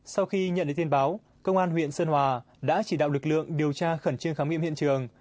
sau khi nhận được tin báo công an huyện sơn hòa đã chỉ đạo lực lượng điều tra khẩn trương khám nghiệm hiện trường